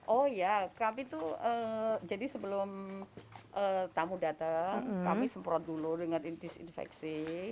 oh ya kami tuh jadi sebelum tamu datang kami semprot dulu dengan disinfeksi